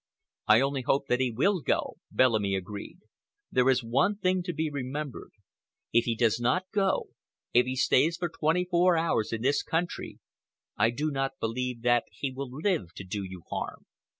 "I only hope that he will go," Bellamy agreed. "There is one thing to be remembered. If he does not go, if he stays for twenty four hours in this country, I do not believe that he will live to do you harm.